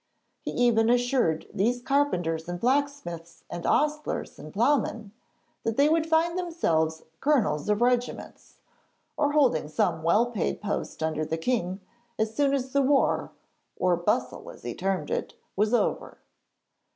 He even assured these carpenters and blacksmiths and ostlers and ploughmen that they would find themselves colonels of regiments, or holding some well paid post under the king, as soon as the war or bustle as he termed it was over.